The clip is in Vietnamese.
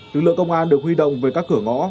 lực lượng công an được huy động về các cửa ngõ